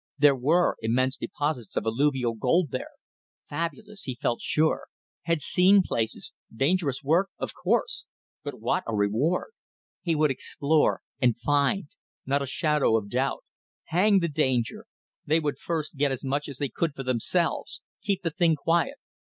There were immense deposits of alluvial gold there. Fabulous. He felt sure. Had seen places. Dangerous work? Of course! But what a reward! He would explore and find. Not a shadow of doubt. Hang the danger! They would first get as much as they could for themselves. Keep the thing quiet.